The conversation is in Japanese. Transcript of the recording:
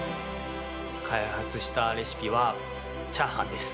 開発したレシピはチャーハンです。